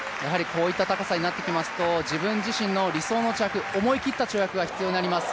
こういった高さになってきますと、自分自身の理想の尺、思い切った跳躍が必要になります。